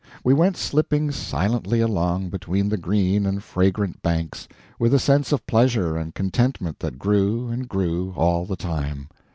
We went slipping silently along, between the green and fragrant banks, with a sense of pleasure and contentment that grew, and grew, all the time.